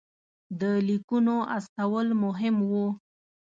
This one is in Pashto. د لیکونو استول مهم وو.